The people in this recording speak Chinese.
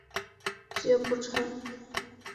皆不赴。